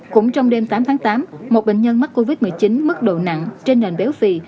cũng trong đêm tám tháng tám một bệnh nhân mắc covid một mươi chín mức độ nặng trên nền béo phì